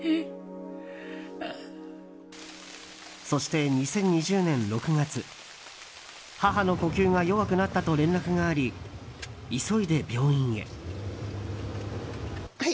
そして２０２０年６月母の呼吸が弱くなったと連絡があり急いで病院へ。